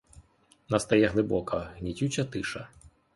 Настає глибока, гнітюча тиша.